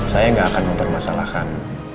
saya gak akan mempermasalahkan